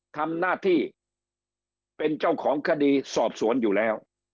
ทำหน้าที่เป็นเจ้าของคดีสอบสวนอยู่แล้ว